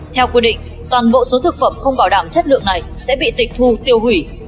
theo quy định toàn bộ số thực phẩm không bảo đảm chất lượng này sẽ bị tịch thu tiêu hủy